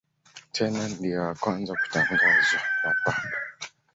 Tena ndiye wa kwanza kutangazwa na Papa.